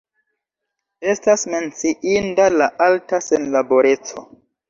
Estas menciinda la alta senlaboreco.